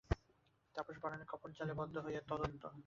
তাপস বারনারীর কপট জালে বদ্ধ হইয়া তদ্দত্ত সমস্ত বস্তু ভক্ষণ ও পান করিলেন।